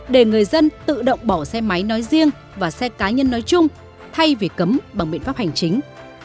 để người dân tự động bỏ xe máy nói riêng và xe cá nhân nói chung thay vì cấm bằng biện pháp hành chính